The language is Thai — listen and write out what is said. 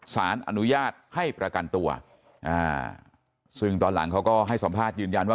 สารอนุญาตให้ประกันตัวซึ่งตอนหลังเขาก็ให้สัมภาษณ์ยืนยันว่า